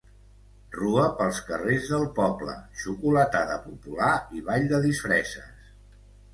Rua pels carrers del poble, xocolatada popular i ball de disfresses.